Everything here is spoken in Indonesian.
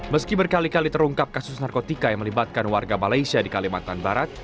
meski berkali kali terungkap kasus narkotika yang melibatkan warga malaysia di kalimantan barat